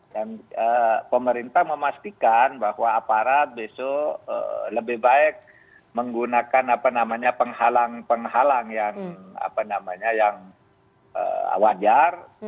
dan pemerintah memastikan bahwa aparat besok lebih baik menggunakan penghalang penghalang yang wajar